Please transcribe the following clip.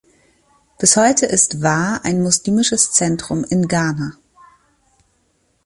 Bis heute ist Wa ein muslimisches Zentrum in Ghana.